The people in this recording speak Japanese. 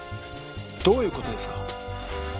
どういう事ですか？